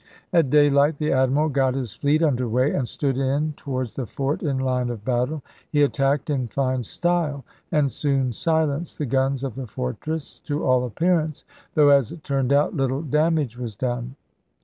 At daylight, the admiral got his fleet under way and stood in towards the fort in line of battle. He attacked in fine style and soon silenced the guns of the fortress, to all appearance; though, as it turned out, little damage was done.